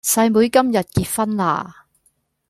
細妹今日結婚啦！